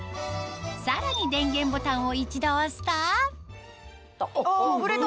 さらに電源ボタンを１度押すとあ震えた！